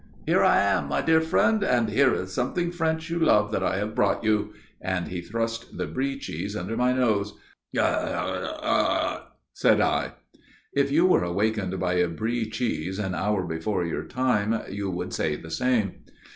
"Here I am, my dear friend, and here is something French you love that I have brought you," and he thrust the Brie cheese under my nose. "," said I. If you were awakened by a Brie cheese, an hour before your time, you would say the same.